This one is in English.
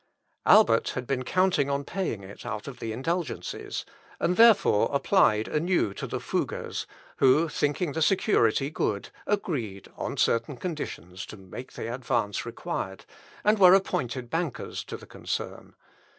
Albert had been counting on paying it out of the indulgences, and therefore applied anew to the Fuggers, who, thinking the security good, agreed, on certain conditions, to make the advance required, and were appointed bankers to the concern.